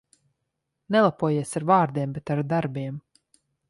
Nelepojies ar vārdiem, bet ar darbiem.